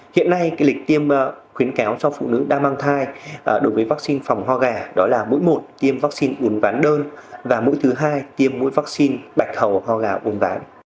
hiện nay lịch tiêm khuyến cáo cho phụ nữ đang mang thai đối với vaccine phòng ho gà đó là mũi một tiêm vaccine un ván đơn và mũi thứ hai tiêm mũi vaccine bạch hầu ho gà uốn ván